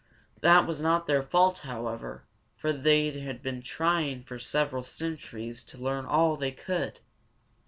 That was not their fault, however, for they had been trying for several centuries to learn all they could.